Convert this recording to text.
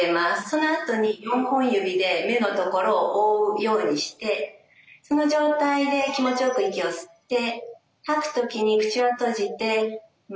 そのあとに４本指で目の所を覆うようにしてその状態で気持ちよく息を吸って吐く時に口は閉じて「ん」。